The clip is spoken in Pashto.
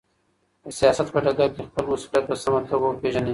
د سياست په ډګر کي خپل مسؤليت په سمه توګه وپېژنئ.